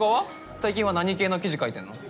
最近は何系の記事書いてんの？